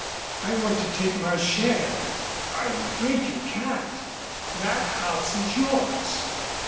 "I want to take my share." "I'm afraid you can't. That house is yours.